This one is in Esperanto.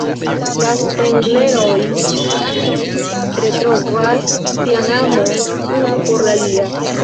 La Spengler-oj retrovas sian amon unu por la alia.